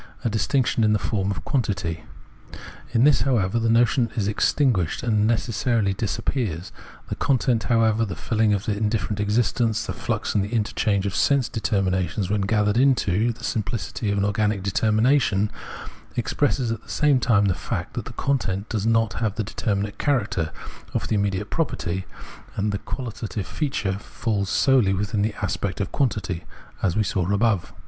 a distinction in the form of quantity. In this, however, the notion is extinguished and necessity disappears. The content, however, the filling of this indifferent existence, the flux and interchange of sense deter minations when gathered into the simphcity of an organic determination, — expresses at the same time the fact that the content does not have that deter minate character (of the immediate property) and the quahtative feature falls solely within the aspect of quantity, as we saw above.